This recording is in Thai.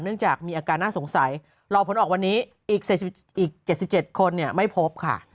จากมีอาการน่าสงสัยรอผลออกวันนี้อีก๗๗คนไม่พบค่ะ